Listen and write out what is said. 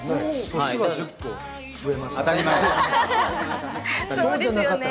年は１０個増えました。